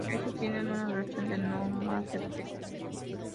Estos tienen una duración de no más de tres años.